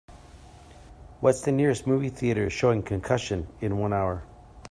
what's the nearest movie theatre showing Concussion in one hour